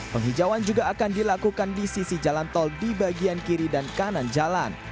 penghijauan juga akan dilakukan di sisi jalan tol di bagian kiri dan kanan jalan